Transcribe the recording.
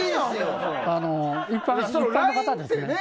一般の方ですね。